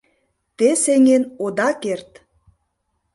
Те сеҥен ода керт!